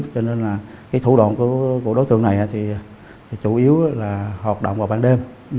cho nên là cái thủ đoạn của đối tượng này thì chủ yếu là hoạt động vào ban đêm